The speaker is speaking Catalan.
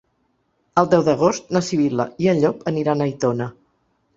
El deu d'agost na Sibil·la i en Llop aniran a Aitona.